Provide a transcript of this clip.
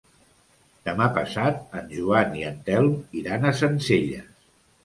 Demà passat en Joan i en Telm iran a Sencelles.